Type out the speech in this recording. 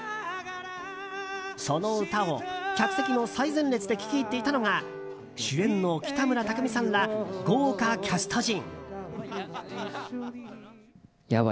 その歌を客席の最前列で聴き入っていたのが主演の北村匠海さんら豪華キャスト陣。